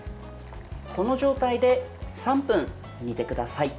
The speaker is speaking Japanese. この状態で３分、煮てください。